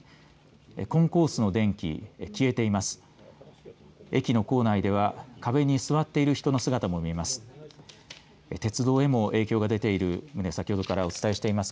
コンコースの電気消えています。